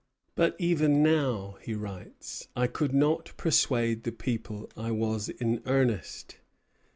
"But even now," he writes, "I could not persuade the people I was in earnest."